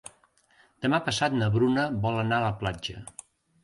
Demà passat na Bruna vol anar a la platja.